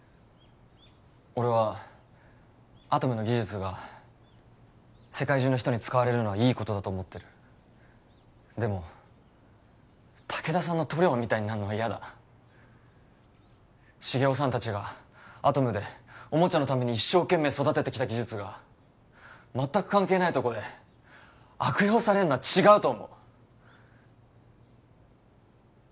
俺はアトムの技術が世界中の人に使われるのはいいことだと思ってるでも武田さんの塗料みたいになんのは嫌だ繁雄さんたちがアトムでおもちゃのために一生懸命育ててきた技術が全く関係ないとこで悪用されんのは違うと思う